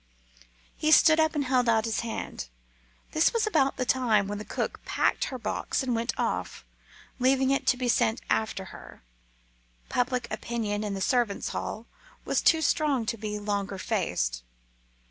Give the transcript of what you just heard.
He stood up and held out his hand. This was about the time when the cook packed her box and went off, leaving it to be sent after her. Public opinion in the servants' hall was too strong to be longer faced.